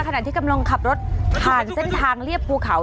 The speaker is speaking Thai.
ขณะที่กำลังขับรถผ่านเส้นทางเรียบภูเขา